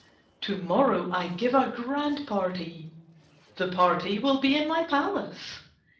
To morrow I give a grand party. The party will be in my palace.